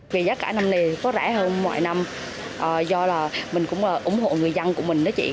vì giá cả năm nay có rẻ hơn mọi năm do là mình cũng ủng hộ người dân của mình đó chị